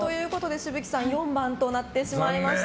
紫吹さん４番となってしまいました。